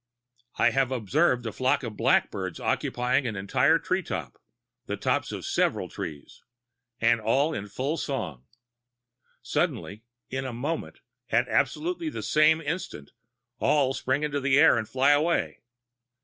I have observed a flock of blackbirds occupying an entire treetop the tops of several trees and all in full song. Suddenly in a moment at absolutely the same instant all spring into the air and fly away.